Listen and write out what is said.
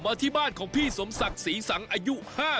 วันนี้พาลงใต้สุดไปดูวิธีของชาวปักใต้อาชีพชาวเล่น